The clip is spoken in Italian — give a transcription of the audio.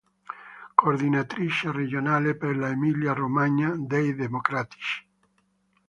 Coordinatrice regionale per l'Emilia-Romagna dei Democratici.